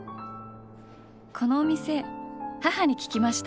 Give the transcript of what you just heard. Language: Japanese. このお店母に聞きました。